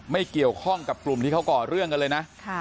ไม่เกี่ยวข้องกับกลุ่มที่เขาก่อเรื่องกันเลยนะ